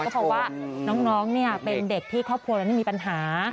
ก็เพราะว่าน้องเป็นเด็กที่ครอบครัวนั้นมีปัญหา